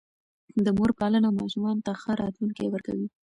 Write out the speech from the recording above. د مور پالنه ماشومانو ته ښه راتلونکی ورکوي.